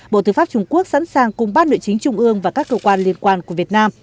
bộ tư pháp trung quốc sẵn sàng cùng bác nội chính trung ương và các cơ quan liên quan của việt nam